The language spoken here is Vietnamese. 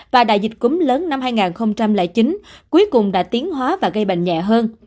và đại dịch cúm lớn năm hai nghìn chín cuối cùng đã tiến hóa và gây bệnh nhẹ hơn